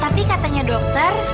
pak tapi katanya dokter